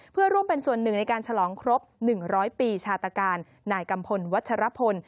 เพื่อร่วมเป็นส่วนหนึ่งในการฉลองครบ๑๐๐ปีชาตการนายกัมพลวัชรพล